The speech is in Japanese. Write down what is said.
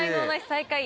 最下位